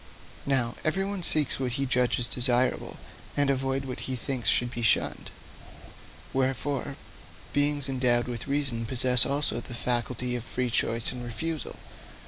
Now, everyone seeks what he judges desirable, and avoids what he thinks should be shunned. Wherefore, beings endowed with reason possess also the faculty of free choice and refusal.